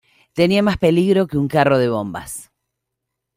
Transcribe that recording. Tenía más peligro que un carro de bombas